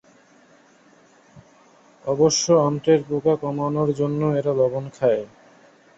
অবশ্য অন্ত্রের পোকা কমানোর জন্যও এরা লবণ খায়।